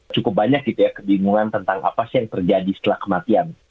cukup banyak gitu ya kebingungan tentang apa sih yang terjadi setelah kematian